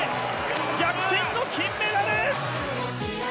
逆転の金メダル！